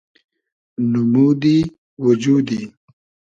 نومودی وجودی